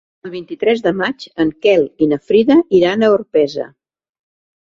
El vint-i-tres de maig en Quel i na Frida iran a Orpesa.